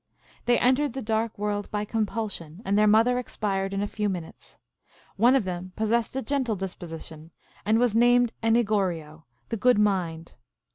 They entered the dark world by compulsion, and their mother expired in a few minutes. One of them pos sessed a gentle disposition, and was named Enigorio, the Good Mind.